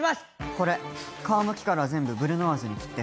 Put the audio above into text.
これ、皮むきから全部ブルノワーズに切って。